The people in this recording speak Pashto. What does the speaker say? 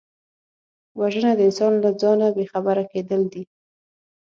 وژنه د انسان له ځانه بېخبره کېدل دي